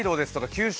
九州